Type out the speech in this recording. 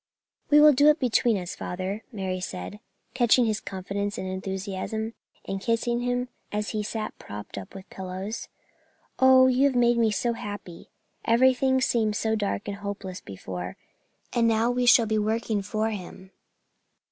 "We will do it between us, father," Mary said, catching his confidence and enthusiasm, and kissing him as he sat propped up with pillows. "Oh, you have made me so happy. Everything seemed so dark and hopeless before, and now we shall be working for him."